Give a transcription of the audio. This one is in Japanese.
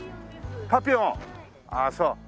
ああそう。